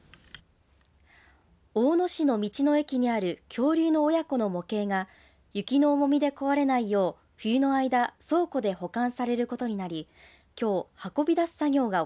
大野市の道の駅にある恐竜の親子の模型が雪の重みで壊れないよう冬の間倉庫で保管されることになりきょう運び出す作業が